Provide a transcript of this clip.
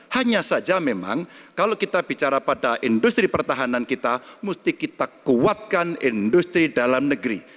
hanya saja memang kalau kita bicara pada industri pertahanan kita mesti kita kuatkan industri dalam negeri